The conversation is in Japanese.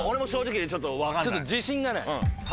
ちょっと自信がない。